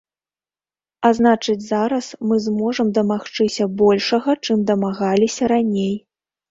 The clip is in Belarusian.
А значыць, зараз мы можам дамагчыся большага, чым дамагаліся раней.